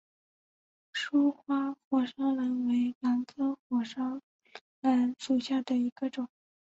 疏花火烧兰为兰科火烧兰属下的一个种。